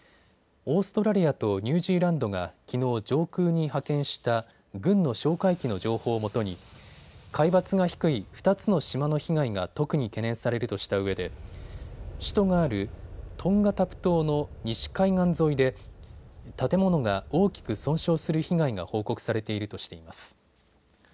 オーストラリアとニュージーランドがきのう上空に派遣した軍の哨戒機の情報をもとに海抜が低い２つの島の被害が特に懸念されるとしたうえで首都があるトンガタプ島の西海岸沿いで建物が大きく損傷する被害が報告されているとしています。